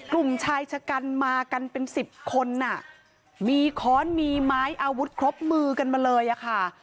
กลุ่มชายชะกันมากันเป็นสิบคนอ่ะมีค้อนมีไม้อาวุธครบมือกันมาเลยอะค่ะ